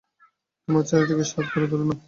তোমার ছেলেটিকে সাহেব করে তুলো না।